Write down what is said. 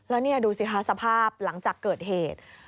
แล้วนี่ดูสิคะสภาพหลังจากเกิดเหตุ